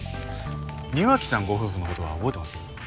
庭木さんご夫婦のことは覚えてます？